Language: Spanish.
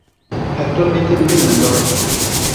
Actualmente, vive en Andorra.